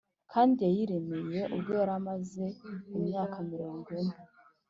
kandi yayiremereye ubwo Yari amaze imyaka mirongo ine